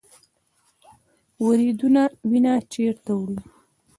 وریدونه وینه چیرته وړي؟